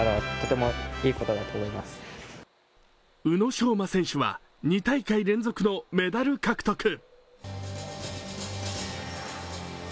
宇野昌磨選手は２大会連続のメダル獲得。